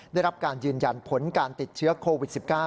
ได้รับการยืนยันผลการติดเชื้อโควิด๑๙